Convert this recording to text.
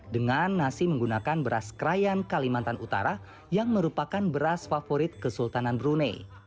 dengan nasi menggunakan beras krayan kalimantan utara yang merupakan beras favorit kesultanan brunei